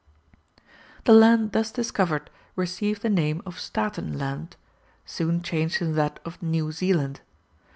] The land thus discovered received the name of Staaten Land, soon changed into that of New Zealand.